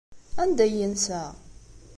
Anda ay yensa?